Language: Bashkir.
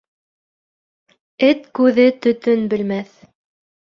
Эт күҙе төтөн белмәҫ.